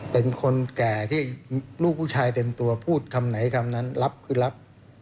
เป็นคนแก่ที่ลูกผู้ชายเต็มตัวพูดคำไหนคำนั้นรับคือรับ